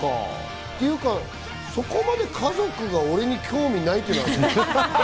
っていうか、そこまで家族が俺に興味ないっていう話。